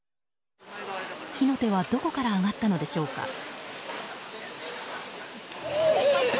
火の手はどこから上がったのでしょうか。